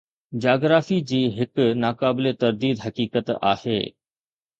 Geography جي هڪ ناقابل ترديد حقيقت آهي.